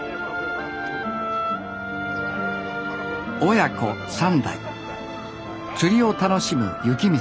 親子３代釣りを楽しむ幸光さん。